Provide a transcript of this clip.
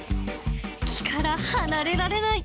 木から離れられない。